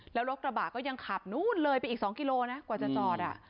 แล้วรถกระบะก็ยังขับนู้นเลยไปอีก๒กิโลนะกว่าจะจอด